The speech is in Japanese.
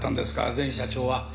前社長は。